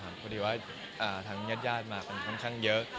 เพราะดีว่าทางญาติญาติมากันค่อนข้างเยอะ